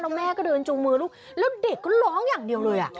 แล้วแม่ก็เดินจูงมือลูกแล้วเด็กก็ร้องอย่างเดียวเลย